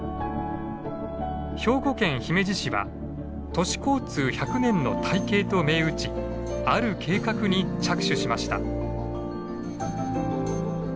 兵庫県姫路市は「都市交通百年の大計」と銘打ちある計画に着手しました。